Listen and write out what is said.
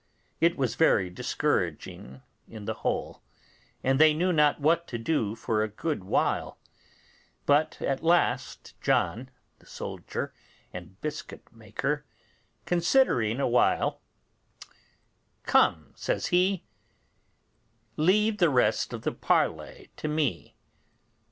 It was very discouraging in the whole, and they knew not what to do for a good while; but at last John the soldier and biscuit maker, considering a while, 'Come,' says he, 'leave the rest of the parley to me.